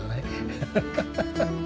ハハハハッ。